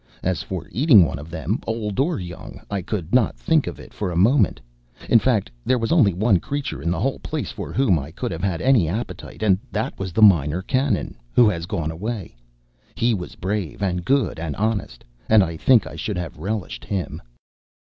As for eating one of them, old or young, I could not think of it for a moment. In fact, there was only one creature in the whole place for whom I could have had any appetite, and that is the Minor Canon, who has gone away. He was brave, and good, and honest, and I think I should have relished him."